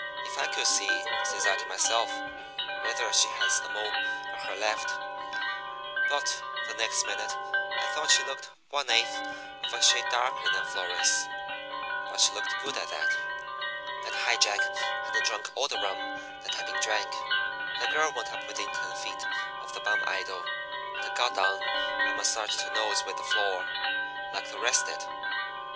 If I could see,' says I to myself, 'whether she has a mole on her left ' But the next minute I thought she looked one eighth of a shade darker than Florence; but she looked good at that. And High Jack hadn't drunk all the rum that had been drank. "The girl went up within ten feet of the bum idol, and got down and massaged her nose with the floor, like the rest did.